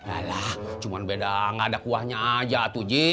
yalah cuman beda gak ada kuahnya aja atuh ji